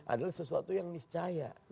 adalah sesuatu yang miscaya